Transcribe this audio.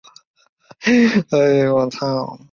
北马里亚纳群岛自由邦后来成为美国领土。